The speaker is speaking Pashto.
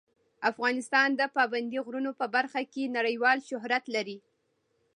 افغانستان د پابندی غرونه په برخه کې نړیوال شهرت لري.